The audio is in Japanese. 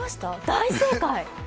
大正解。